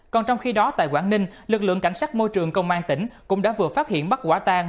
còn trong khi đó tại quảng ninh lực lượng cảnh sát môi trường công an tỉnh cũng đã vừa phát hiện bắt quả tang